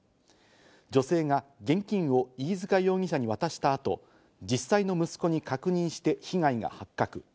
女性が現金を飯塚容疑者に渡したあと、実際の息子に確認して被害が発覚。